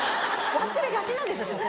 忘れがちなんですよ